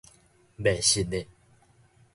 袂信得